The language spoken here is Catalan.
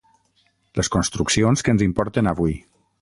les construccions que ens importen avui.